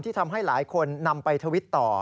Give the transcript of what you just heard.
ทำให้หลายคนนำไปทวิตต่อ